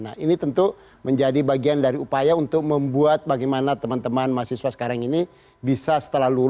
nah ini tentu menjadi bagian dari upaya untuk membuat bagaimana teman teman mahasiswa sekarang ini bisa setelah lulus